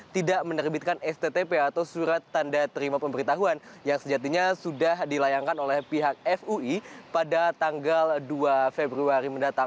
tidak menerbitkan sttp atau surat tanda terima pemberitahuan yang sejatinya sudah dilayangkan oleh pihak fui pada tanggal dua februari mendatang